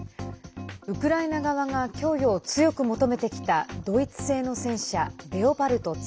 ウクライナ側が供与を強く求めてきたドイツ製の戦車レオパルト２。